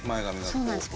そうなんです。